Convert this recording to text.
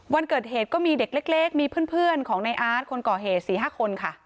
วันเกิดเหตุก็มีเด็กเล็กมีเพื่อนของในอาร์ตคนก่อเหตุ๔๕คนค่ะ